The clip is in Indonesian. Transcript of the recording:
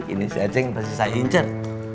ini si aceng pasti saya incer